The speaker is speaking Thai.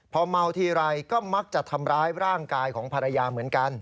พอเมาทีไรก็มักจะทำร้ายร่างกายของภรรยาเหมือนกัน